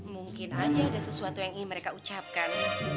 mungkin aja ada sesuatu yang ingin mereka ucapkan